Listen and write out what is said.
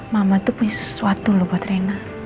mama itu punya sesuatu loh buat rena